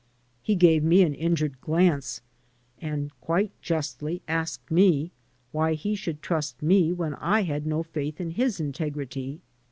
He gave me an injured glance, and quite justly asked me why he should trust me when I had no faith in his integrity.